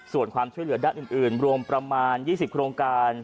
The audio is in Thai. ส่วนความช่วยเหลือด้านอื่นรวมประมาณ๒๐โครงการ